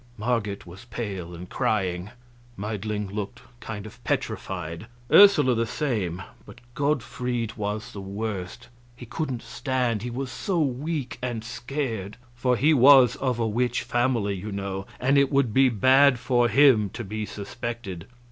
Marget was pale, and crying; Meidling looked kind of petrified; Ursula the same; but Gottfried was the worst he couldn't stand, he was so weak and scared. For he was of a witch family, you know, and it would be bad for him to be suspected.